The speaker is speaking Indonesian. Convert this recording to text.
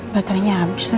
baterinya habis lagi